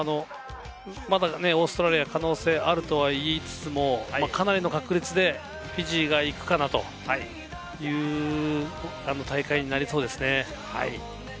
まだオーストラリアは可能性があるとは言いつつも、かなりの確率でフィジーが行くかなという大会になりそうですね。